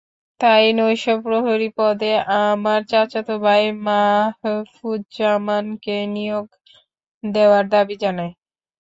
তাই নৈশপ্রহরী পদে আমার চাচাতো ভাই মাহফুজ্জামানকে নিয়োগ দেওয়ার দাবি জানাই।